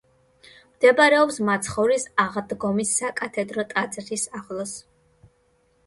მდებარეობს მაცხოვრის აღდგომის საკათედრო ტაძარის ახლოს.